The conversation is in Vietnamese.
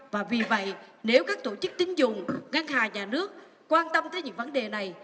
và vì vậy nếu các tổ chức tính dụng ngăn hà nhà nước quan tâm tới những vấn đề này